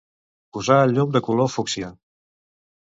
Posar el llum de color fúcsia.